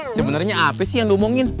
sebenernya apa sih yang lu omongin